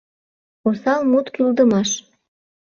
Осал мут Кӱлдымаш